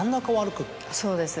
そうです。